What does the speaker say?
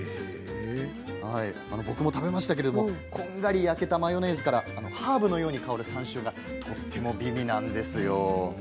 僕も食べましたがこんがり焼けたマヨネーズからハーブのように香る山椒がとっても美味なんです。